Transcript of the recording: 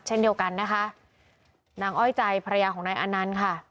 เช่นเดียวกันนะคะนางอ้อยใจภรรยาของนายอนันต์ค่ะ